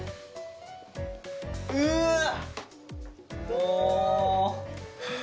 うわっ